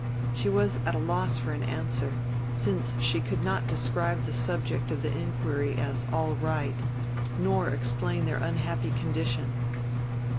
She was at a loss for an answer, since she could not describe the subject of the inquiry as all right nor explain their unhappy condition.